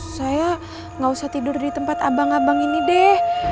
saya nggak usah tidur di tempat abang abang ini deh